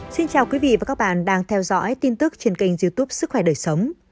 xin chào quý vị và các bạn đang theo dõi tin tức trên kênh youtube sức khỏe đời sống